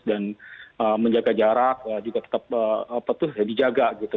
dan menjaga jarak juga tetap tetap dijaga gitu